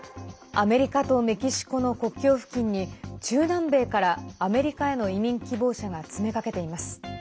アメリカとメキシコの国境付近に中南米からアメリカへの移民希望者が詰めかけています。